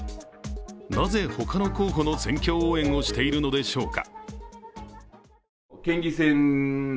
なぜ他の候補の選挙応援をしているのでしょうか。